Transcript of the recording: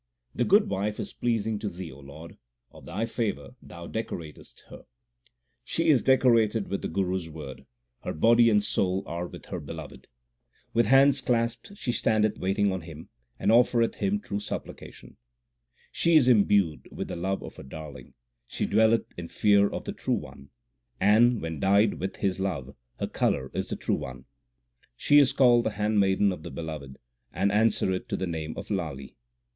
The good wife is pleasing to Thee, O Lord ; of Thy favour Thou decoratest her. 1 Literally to be counted by Him. 268 THE SIKH RELIGION She is decorated with the Guru s word ; her body and soul are with her Beloved. With hands clasped she standeth waiting on Him, and offereth Him true supplication. She is imbued with the love of her Darling ; she dwelleth in fear of the True One ; and, when dyed with His love, her colour is the true one. She is called the handmaiden of the Beloved, and an swereth to the name of Lali.